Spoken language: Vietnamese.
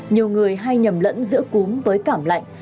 nhiều người hay nhầm lẫn giữa cúm với cảm lạnh